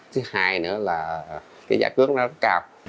thứ hai nữa là cái giả cướp nó rất cao